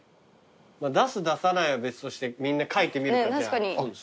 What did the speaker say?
出す出さないは別としてみんな書いてみるかじゃあ。